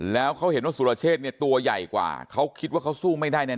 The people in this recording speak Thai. แล้วเขาเห็นว่าสุรเชษเนี่ยตัวใหญ่กว่าเขาคิดว่าเขาสู้ไม่ได้แน่